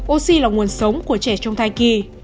oxy là nguồn sống của trẻ trong thai kỳ